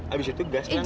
abis itu gas pelan pelan